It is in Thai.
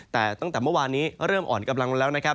แต่ตั้งแต่เมื่อวานนี้เริ่มอ่อนกำลังลงแล้วนะครับ